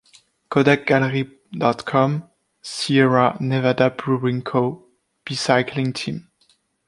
Kodakgallery.com-Sierra Nevada Brewing Co. Bicycling team.